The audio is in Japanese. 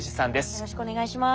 よろしくお願いします。